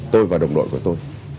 tôi và đồng đội của tôi